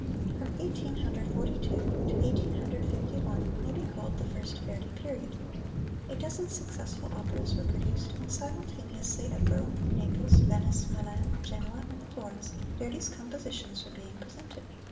From Eighteen Hundred Forty two to Eighteen Hundred Fifty one may be called the First Verdi Period. A dozen successful operas were produced, and simultaneously at Rome, Naples, Venice, Milan, Genoa and Florence, Verdi's compositions were being presented.